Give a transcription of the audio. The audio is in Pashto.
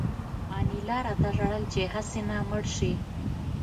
انیلا راته ژړل چې هسې نه مړ شې